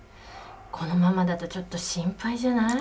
このままだとちょっと心配じゃない？